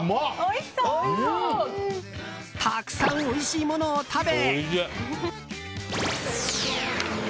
たくさんおいしいものを食べ。